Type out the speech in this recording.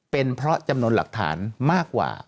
เป็นเพราะจำนวนหลักฐานมากกว่า